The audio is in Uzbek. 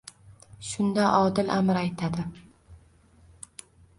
Shunda odil amir aytadi.